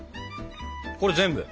これ全部？